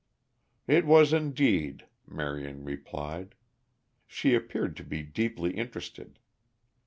"It was indeed," Marion replied. She appeared to be deeply interested.